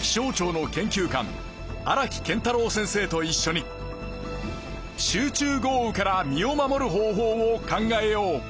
気象庁の研究官荒木健太郎先生といっしょに集中豪雨から身を守る方法を考えよう。